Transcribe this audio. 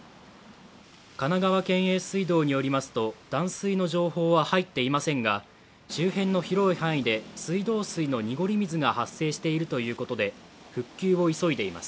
神奈川県営水道によりますと、断水の情報は入っていませんが、周辺の広い範囲で水道管の濁り水が発生しているということで、復旧を急いでいます。